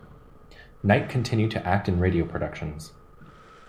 Knight continued to act in radio productions.